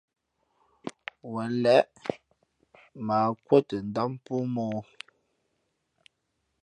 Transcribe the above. Wen lěʼ mα ǎ kūᾱ tα ndám póómᾱ ǒ.